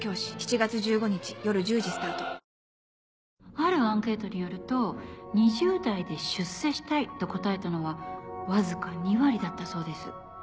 あぁあるアンケートによると「２０代で出世したい」と答えたのはわずか２割だったそうです。